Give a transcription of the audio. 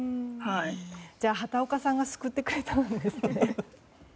じゃあ畑岡さんが救ってくれたんですね。